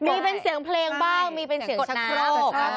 มีเป็นเสียงเพลงบ้างมีเป็นเสียงชะโครก